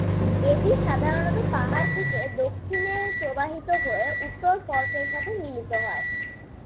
এটি সাধারণত পাহাড় থেকে দক্ষিণে প্রবাহিত হয়ে উত্তর ফর্কের সাথে মিলিত হয়।